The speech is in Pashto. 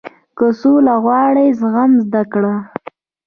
• که سوله غواړې، زغم زده کړه.